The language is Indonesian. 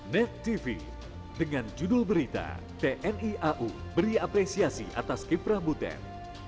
net tv dengan judul berita tni au beri apresiasi atas kiprah butet